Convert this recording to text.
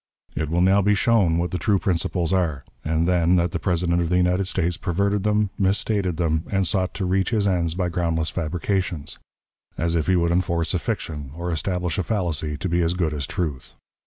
It will now be shown what the true principles are, and then that the President of the United States perverted them, misstated them, and sought to reach his ends by groundless fabrications as if he would enforce a fiction or establish a fallacy to be as good as truth.